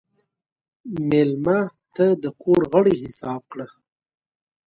مېلمه ته د کور غړی حساب کړه.